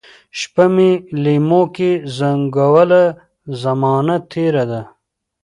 شپه مي لېموکې زنګوله ، زمانه تیره ده